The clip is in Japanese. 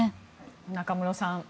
中室さん